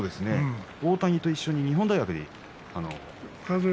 大谷と一緒に日本大学で。